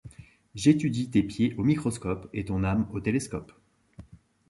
J’étudie tes pieds au microscope et ton âme au télescope.